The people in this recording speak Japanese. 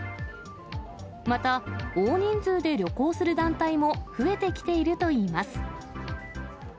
また、大人数で旅行する団体も増えてきているといいます。